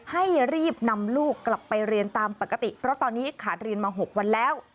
ให้รีบนำลูกกลับไปเรียนตามปกติเพราะตอนนี้ขาดเรียนมา๖วันแล้ว